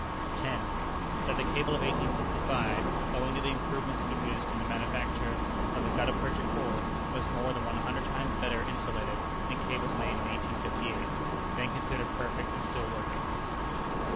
10. That the cable of 1865, owing to the improvements introduced into the manufacture of the gutta percha core, was more than one hundred times better insulated than cables made in 1858, then considered perfect and still working.